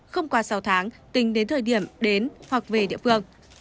không qua sáu tháng tính đến thời điểm đến hoặc về địa phương